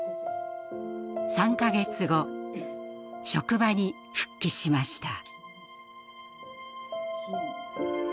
３か月後職場に復帰しました。